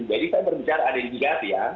jadi saya berbicara ada indikasi ya